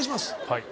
はい。